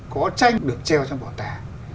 có tranh được treo trong bảo tàng